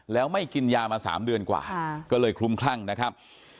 แล้วไม่กินยามา๓เดือนกว่าก็เลยคลุมคลั่งนะครับ